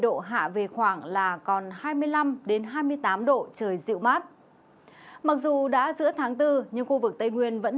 độ hạ về khoảng là còn hai mươi năm hai mươi tám độ trời dịu mát mặc dù đã giữa tháng bốn nhưng khu vực tây nguyên vẫn